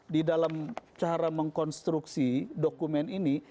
di dalam cara mengkonstruksi dokumen ini